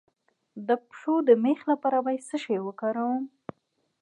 د پښو د میخ لپاره باید څه شی وکاروم؟